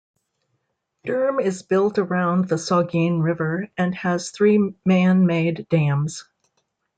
Durham is built around the Saugeen River and has three man-made dams.